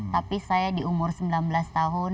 tapi saya di umur sembilan belas tahun